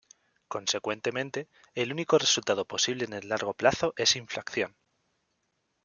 Consecuentemente, el único resultado posible en el largo plazo es inflación.